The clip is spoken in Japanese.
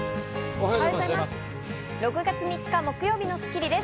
おはようございます。